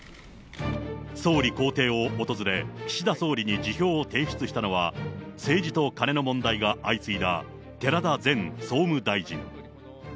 総理公邸を訪れ、岸田総理に辞表を提出したのは、政治とカネの問題が相次いだ寺田前総務大臣。